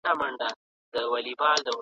پر دې سیمه نوبهاره چي رانه سې !.